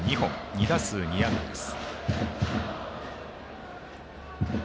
２打数２安打です。